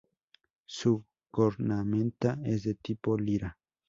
Su cornamenta es de tipo lira.